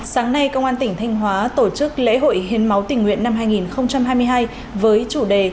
sáng nay công an tỉnh thanh hóa tổ chức lễ hội hiến máu tỉnh nguyện năm hai nghìn hai mươi hai với chủ đề